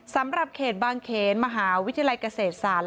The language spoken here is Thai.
สำหรับเขตบางเขนมหาวิทยาลัยเกษตรศาสตร์